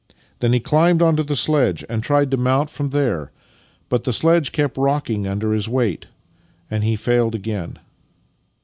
Then he climbed onto the sledge and tried to mount from Master and Man 49 there, but the sledge kept rocking under his weight, and he failed again.